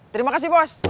terima kasih bos